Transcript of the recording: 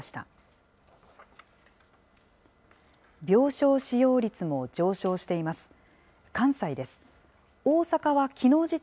病床使用率も上昇しています。